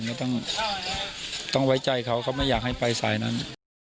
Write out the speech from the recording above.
ไม่ต้องไว้ใจเขาเขาไม่อยากให้ไปสายนั้น